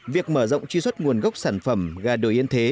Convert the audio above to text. việc mở rộng truy xuất nguồn gốc sản phẩm gà đồi yên thế